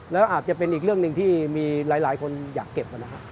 แล้วอาจจะเป็นอีกเรื่องหนึ่งที่มีหลายคนอยากเก็บนะครับ